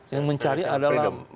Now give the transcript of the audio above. yang mencari adalah